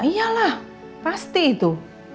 iya lah pasti itu